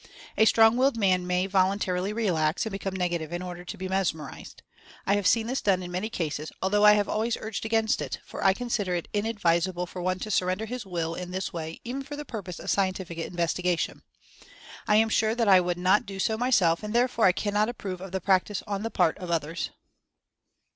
A strong willed man may volun tarily relax and become negative in order to be mes merized. I have seen this done in many cases, although I have always urged against it, for I con sider it inadvisable for one to surrender his Will in this way, even for the purpose of scientific investiga tion. I am sure that I would not do so myself, and therefore I cannot approve of the practice on the part of others.